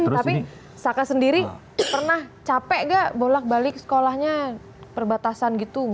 tapi saka sendiri pernah capek gak bolak balik sekolahnya perbatasan gitu